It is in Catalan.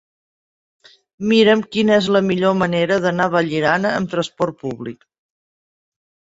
Mira'm quina és la millor manera d'anar a Vallirana amb trasport públic.